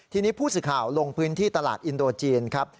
ทีนี้ผู้สื่อข่าวลงพื้นที่ตลาดอินโดจีนครับ